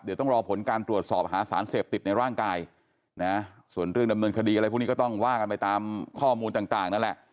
เดี๋ยวต้องรอผลการตรวจสอบหาสารเสพติดในร่างกายนะส่วนเรื่องดำเนินคดีอะไรพวกนี้ก็ต้องว่ากันไปตามข้อมูลต่างนั่นแหละ